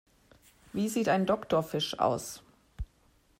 Wie sieht ein Doktorfisch aus?